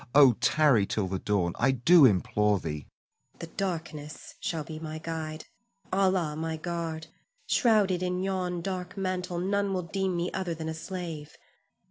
Oh, tarry till the dawn, I do implore thee. Zuleika. The darkness shall be my guide, Allah my guard; shrouded in yon dark mantle none will deem me other than a slave.